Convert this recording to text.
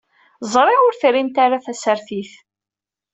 Ẓriɣ ur trimt ara tasertit.